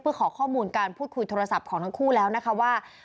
เพื่อขอข้อมูลการพูดคุยโทรศัพท์ของทั้งคู่แล้วนะคะว่า